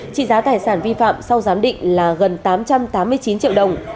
trị giá tài sản vi phạm sau giám định là gần tám trăm tám mươi chín triệu đồng